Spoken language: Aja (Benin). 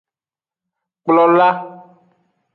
Kplola.